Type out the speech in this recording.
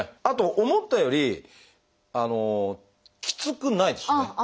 あと思ったよりきつくないですね。